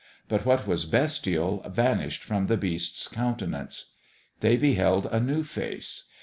But what was bestial vanished from the Beast's countenance. They beheld a new face.